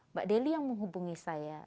mbak deli yang menghubungi saya